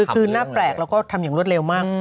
คือหน้าแปลกแล้วก็ทำอย่างรวดเร็วมาก